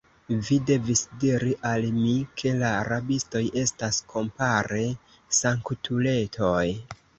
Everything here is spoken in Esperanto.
Vi devis diri al mi, ke la rabistoj estas, kompare, sanktuletoj!